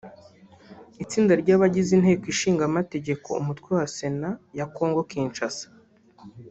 Itsinda ry’abagize Inteko Ishinga Amategeko umutwe wa Sena ya Congo Kinshasa